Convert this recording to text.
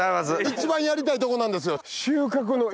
一番やりたいとこなんですよ。